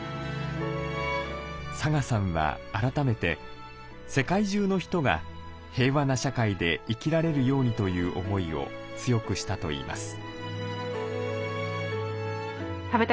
サガさんは改めて世界中の人が平和な社会で生きられるようにという思いを強くしたといいます。